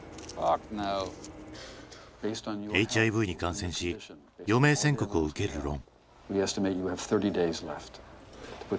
ＨＩＶに感染し余命宣告を受けるロン。